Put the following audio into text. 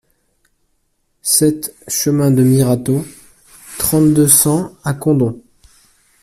sept chemin de Mirateau, trente-deux, cent à Condom